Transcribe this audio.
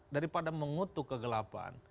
daripada mengutuk kegelapan